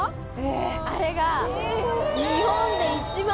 あれが。